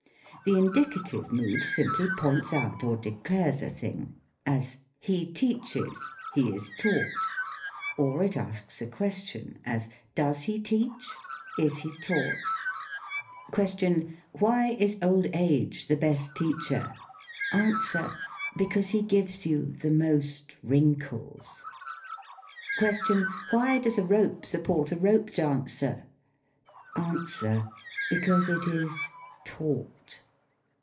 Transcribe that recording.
The Indicative Mood simply points out or declares a thing: as, "He teaches, he is taugh*;" or it asks a question : as, "■ Does he teach ? Is he taught ?" 54 THE COMIC ENGLISH GRAMMAR. Q. Why is old age the best teacher ? A. Because he gives you the most lorinkles. Q. Why docs a rope support a rope dancer? A. Because it is taught.